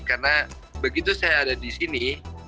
karena begitu saya ada di sini